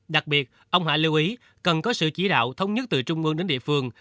đặc biệt ông hạ lưu ý cần có sự chỉ đạo thống nhất từ trung mương đến địa phương